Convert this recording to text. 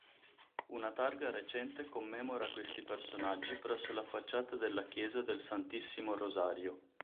Una targa recente commemora questi personaggi presso la facciata della chiesa del Santissimo Rosario.